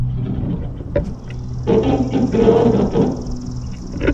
এটি একটি বিরল ধাতু।